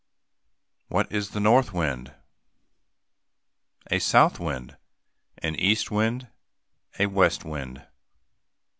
What is a north wind? A south wind? An east wind? A west wind?